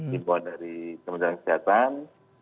dimulai dari pemerintahan kesehatan